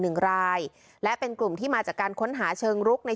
หนึ่งรายและเป็นกลุ่มที่มาจากการค้นหาเชิงรุกใน